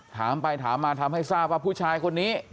ถามไปถามมาทำให้ทราบว่าผู้ชายคนนี้